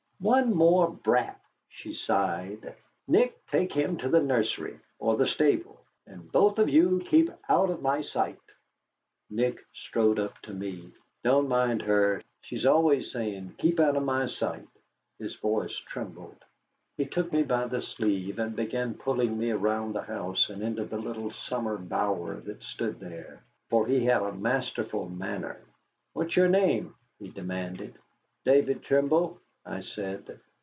"One more brat," she sighed. "Nick, take him to the nursery, or the stable. And both of you keep out of my sight." Nick strode up to me. "Don't mind her. She's always saying, 'Keep out of my sight.'" His voice trembled. He took me by the sleeve and began pulling me around the house and into a little summer bower that stood there; for he had a masterful manner. "What's your name?" he demanded. "David Trimble," I said.